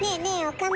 岡村。